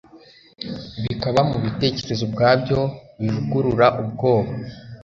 Bikaba mubitekerezo ubwabyo bivugurura ubwoba